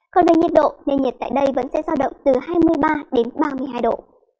còn về nhiệt độ nền nhiệt tại đây vẫn sẽ giao động từ hai mươi ba đến ba mươi hai độ